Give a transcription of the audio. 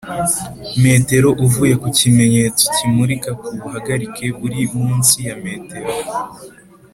Metero uvuye ku kimenyetso kimurika ku buhagarike buri munsi ya metero